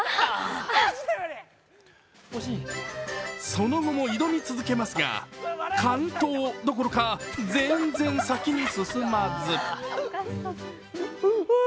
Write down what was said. その後も挑み続けますが、完登どころか全然先に進まず。